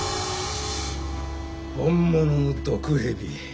本物の毒蛇。